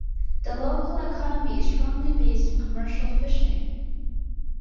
The local economy is strongly based on commercial fishing.